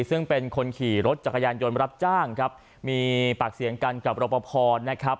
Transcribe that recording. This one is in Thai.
ซึ่งเป็นคนขี่รถจักรยานยนต์รับจ้างครับมีปากเสียงกันกับรอปภนะครับ